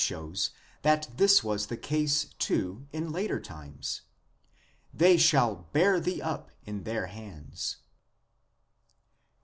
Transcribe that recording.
12 shows that this was the case, too, in later times, "... they shall bear thee up in their hands."